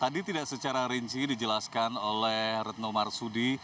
tadi tidak secara rinci dijelaskan oleh retno marsudi